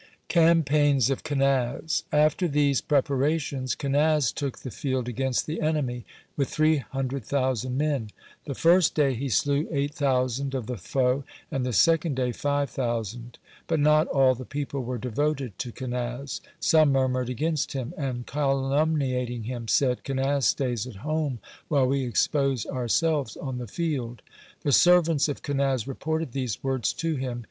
CAMPAIGNS OF KENAZ After these preparations Kenaz took the field against the enemy, with three hundred thousand men. (15) The first day he slew eight thousand of the foe, and the second day five thousand. But not all the people were devoted to Kenaz. Some murmured against him, and calumniating him, said: "Kenaz stays at home, while we expose ourselves on the field." The servants of Kenaz reported these words to him.